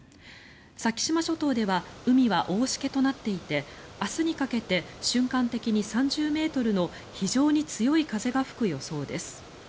先島諸島では海は大しけとなっていて明日にかけて瞬間的に３０ｍの非常に強い風が吹く予想です。